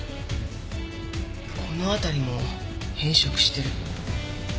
この辺りも変色している。